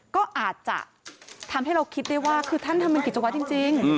ก็อาจจะทำให้เราคิดได้ว่าคือท่านทำเป็นกิจวัตรจริง